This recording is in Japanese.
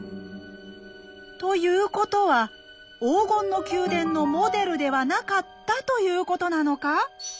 ということは「黄金の宮殿」のモデルではなかったということなのか？